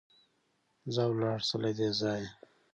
ځه ولاړ شه له دې ځايه!